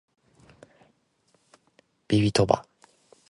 たびびと